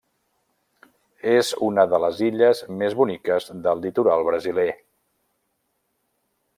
És una de les illes més boniques del litoral brasiler.